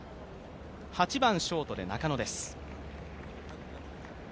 ８番ショートで中野です。